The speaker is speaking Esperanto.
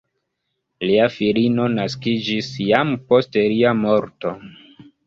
Lia filino naskiĝis jam post lia morto.